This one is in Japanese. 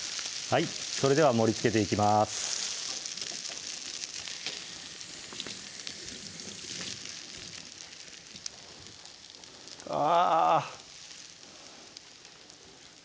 それでは盛りつけていきますあぁ